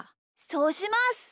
そうします！